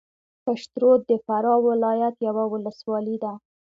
پشترود د فراه ولایت یوه ولسوالۍ ده